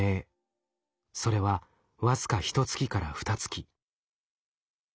それは僅かひと月からふた月。